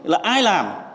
là ai làm